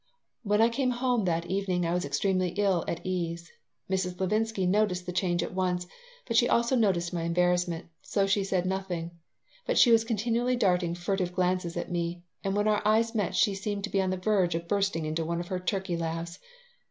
When I came home that evening I was extremely ill at ease. Mrs. Levinsky noticed the change at once, but she also noticed my embarrassment, so she said nothing, but she was continually darting furtive glances at me, and when our eyes met she seemed to be on the verge of bursting into one of her turkey laughs.